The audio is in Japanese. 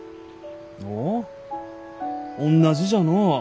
おおおんなじじゃのう。